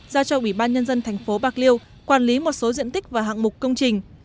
giao cho ủy ban nhân dân thành phố bạc liêu quản lý một số diện tích và hạng mục công trình